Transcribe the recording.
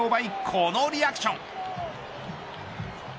このリアクション。